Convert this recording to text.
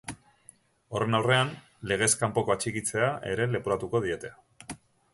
Horren aurrean, legez kanpoko atxikitzea ere leporatuko diete.